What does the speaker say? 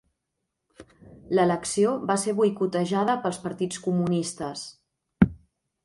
L'elecció va ser boicotejada pels partits comunistes.